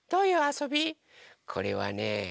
これはね